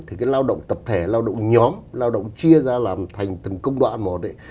thì cái lao động tập thể lao động nhóm lao động chia ra làm thành từng công đoạn một đấy